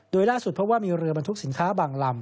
โดยล่าสุดพบว่ามีเรือบรรทุกสินค้าบางลำ